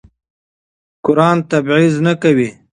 قرآن تبعیض نه کوي.